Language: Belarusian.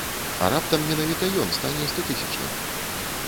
А раптам менавіта ён стане стотысячным?